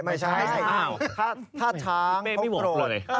ไม่ใช่ถ้าช้างเขาโกรธ